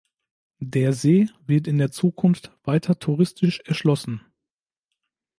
Der See wird in der Zukunft weiter touristisch erschlossen.